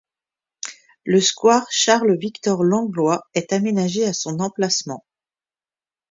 Le square Charles-Victor-Langlois est aménagé à son emplacement.